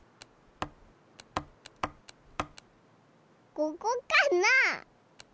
ここかな？